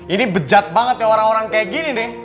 ini bejat banget ya orang orang kayak gini deh